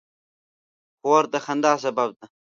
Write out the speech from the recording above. خور د خندا سبب ده.